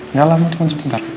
nggak lama cuma sebentar